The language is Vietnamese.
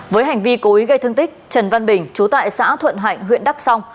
với hành vi cố ý gây thương tích trần văn bình chú tại xã thuận hạnh huyện đắk song